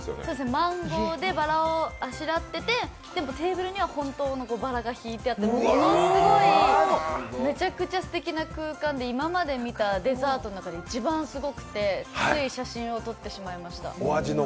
マンゴーでばらをあしらってて、テーブルには本当のばらが敷いてあってものすごい、めちゃくちゃすてきな空間で今までみたデザートの中で一番すごくて、つい写真を撮ってしまいました。